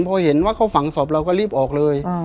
พอเห็นว่าเขาฝังศพเราก็รีบออกเลย